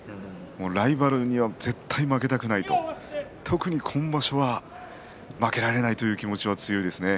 ライバルには絶対に負けたくないと特に今場所は負けられないという気持ちが強いですね。